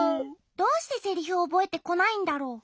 どうしてセリフをおぼえてこないんだろう？